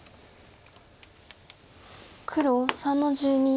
黒３の十二。